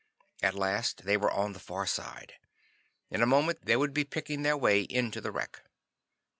At last they were on the far side. In a moment they would be picking their way into the wreck.